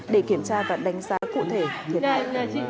để kiểm tra và đánh giá cụ thể thiệt hại